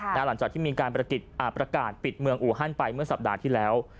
หลังจากที่มีการประกาศปิดเมืองอูฮันไปเมื่อสัปดาห์ที่แล้ว